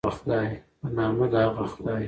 په نامه د هغه خدای